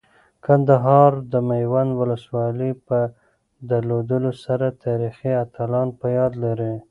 کندهار د میوند ولسوالۍ په درلودلو سره تاریخي اتلان په یاد لري.